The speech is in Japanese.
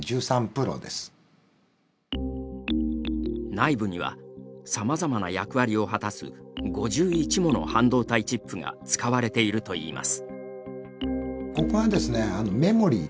内部にはさまざまな役割を果たす５１もの半導体チップが使われているといいます。